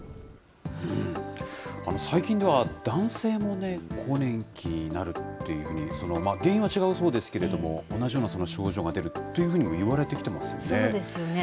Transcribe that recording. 最近では、男性もね、更年期になるっていうふうに、原因は違うそうですけれども、同じような症状が出るというふうにもいわれてきてますよね。